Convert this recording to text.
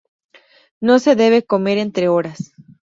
No se debe comer entre horas